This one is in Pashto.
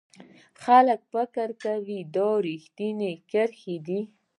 خلک فکر کوي دا ریښتینې کرښې دي.